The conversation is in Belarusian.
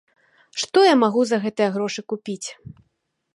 Што я магу за гэтыя грошы купіць?